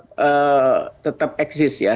akan tetap eksis ya